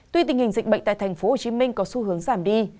tuy tình hình dịch bệnh tại thành phố hồ chí minh có xu hướng giảm đi